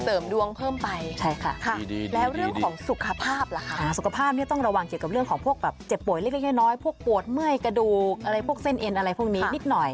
ดวงเพิ่มไปใช่ค่ะแล้วเรื่องของสุขภาพล่ะคะสุขภาพเนี่ยต้องระวังเกี่ยวกับเรื่องของพวกแบบเจ็บป่วยเล็กน้อยพวกปวดเมื่อยกระดูกอะไรพวกเส้นเอ็นอะไรพวกนี้นิดหน่อย